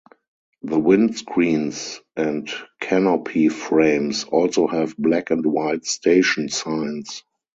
The windscreens and canopy frames also have black and white station signs.